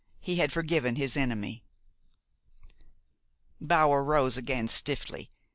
He had forgiven his enemy. Bower rose again stiffly.